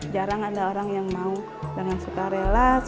jarang ada orang yang mau dengan suka relas